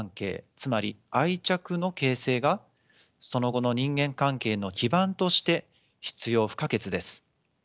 つまり愛着の形成がその後の人間関係の基盤として必要不可欠です。